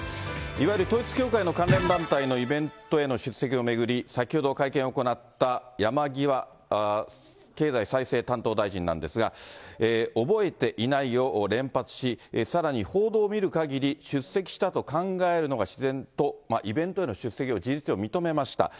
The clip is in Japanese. いわゆる統一教会の関連団体のイベントへの出席を巡り、先ほど会見を行った山際経済再生担当大臣なんですが、覚えていないを連発し、さらに報道を見るかぎり、出席したと考えるのが自然と、イベントへの出席を事実上認めました。